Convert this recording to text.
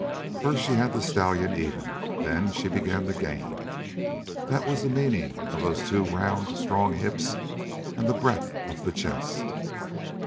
First she held the stallion even, then she began to gain. That was the meaning of those round, strong hips, and the breadth of the chest.